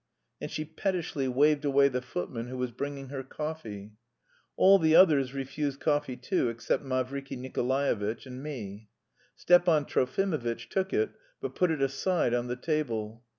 And she pettishly waved away the footman who was bringing her coffee. (All the others refused coffee too except Mavriky Nikolaevitch and me. Stepan Trofimovitch took it, but put it aside on the table.